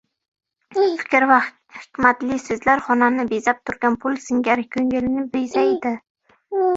Fikr, va hikmatli so‘zlar, xonani bezab turgan gul singari ko‘ngilni bezaydi.